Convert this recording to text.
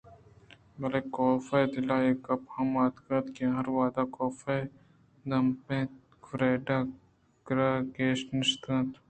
بلئے کاف ءِ دل ءَ اے گپ ہم اتک کہ آ ہر وہدءَ کاف ءِ دمب ءَاِت اَنت ءُفریڈا ءِکِرّاگیش نہ نشتگ اَت